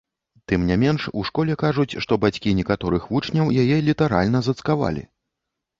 Тым не менш, у школе кажуць, што бацькі некаторых вучняў яе літаральна зацкавалі.